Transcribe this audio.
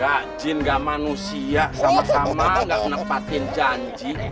gak jin gak manusia sama sama gak nepatin janji